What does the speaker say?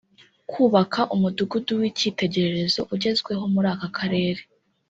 kubaka umudugudu w’icyitegererezo ugezweho muri aka karere